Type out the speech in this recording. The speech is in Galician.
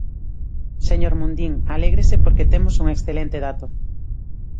Señor Mundín, alégrese porque temos un excelente dato.